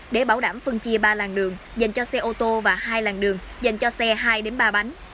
để bảo đảm phân chia ba làng đường dành cho xe ô tô và hai làng đường dành cho xe hai ba bánh